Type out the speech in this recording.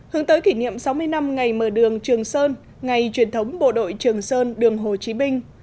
hướng tới kỷ niệm sáu mươi năm ngày mở đường trường sơn ngày truyền thống bộ đội trường sơn đường hồ chí minh